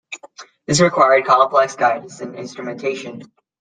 This required complex guidance and instrumentation.